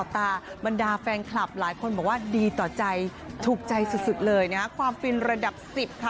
ตาบรรดาแฟนคลับหลายคนบอกว่าดีต่อใจถูกใจสุดเลยนะความฟินระดับ๑๐ค่ะ